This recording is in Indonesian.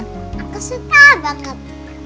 aku suka banget